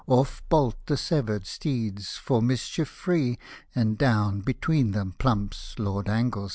Off bolt the severed steeds, for mischief free, And down, between them, plumps Lord Anglesea